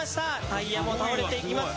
「タイヤも倒れていきます」